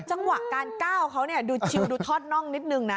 จังหวะการก้าวเขาดูชิวดูทอดน่องนิดนึงนะ